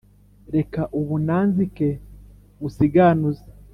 Reka ubu nanzike nkusiganuze